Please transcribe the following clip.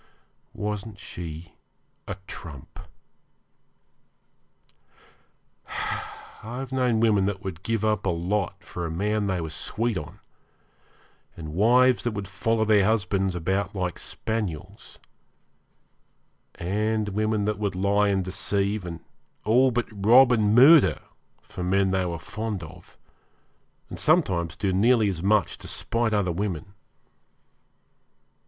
Wasn't she a trump? I've known women that would give up a lot for a man they were sweet on, and wives that would follow their husbands about like spaniels, and women that would lie and deceive and all but rob and murder for men they were fond of, and sometimes do nearly as much to spite other women.